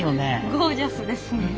ゴージャスですね。